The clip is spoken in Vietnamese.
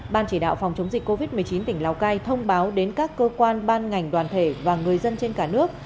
ban chỉ đạo phòng chống dịch covid một mươi chín tỉnh lào cai thông báo đến các cơ quan ban ngành đoàn thể và người dân trên cả nước